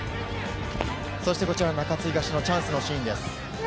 こちら中津東のチャンスのシーンです。